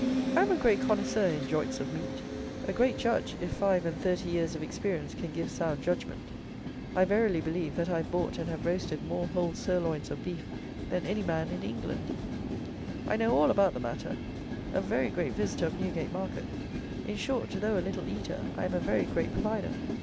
I am a great connoisseur in joints of meat; a great judge, if five and thirty years of experience can give sound judgment. I verily believe that I have bought and have roasted more whole sirloins of beef than any man in England; I know all about the matter; a very great visitor of Newgate market; in short, though a little eater, I am a very great provider.